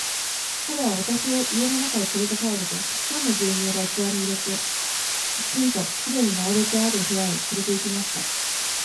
彼は私を家の中へつれて帰ると、たくさんの牛乳が器に入れて、きちんと綺麗に並べてある部屋へつれて行きました。